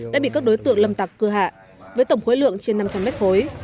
đã bị các đối tượng lâm tặc cưa hạ với tổng khối lượng trên năm trăm linh mét khối